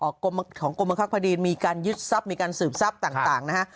กรมของกรมบังคับคดีมีการยึดทรัพย์มีการสืบทรัพย์ต่างนะฮะ